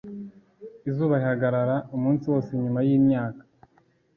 izuba rihagarara umunsi wose Nyuma y imyaka